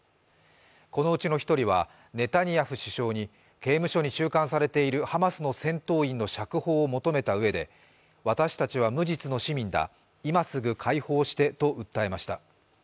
このうちの１人はネタニヤフ首相に刑務所に収監されているハマスの戦闘員の釈放を求めたうえで私たちは無実の市民だ、今すぐ解放してと訴えました。